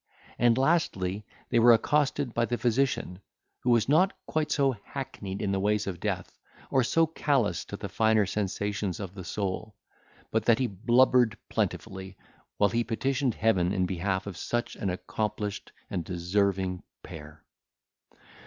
And, lastly, they were accosted by the physician, who was not quite so hackneyed in the ways of death, or so callous to the finer sensations of the soul, but that he blubbered plentifully, wile he petitioned Heaven in behalf of such an accomplished and deserving pair.